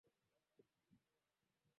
na msimu wa mwaka elfu mbili na kumi na moja